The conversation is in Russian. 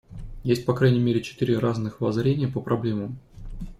Есть по крайней мере четыре разных воззрения по проблемам.